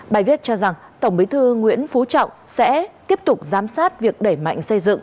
bài viết cho rằng tổng bí thư nguyễn phú trọng sẽ tiếp tục giám sát việc đẩy mạnh xây dựng